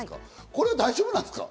これ大丈夫ですか？